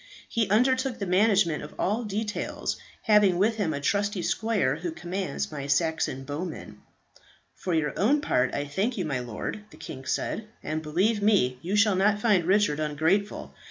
He undertook the management of all details, having with him a trusty squire who commands my Saxon bowmen." "For your own part I thank you, my lord," the king said, "and, believe me, you shall not find Richard ungrateful.